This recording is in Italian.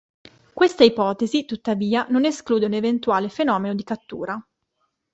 Questa ipotesi, tuttavia, non esclude un eventuale fenomeno di cattura.